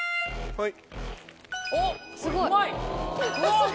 はい。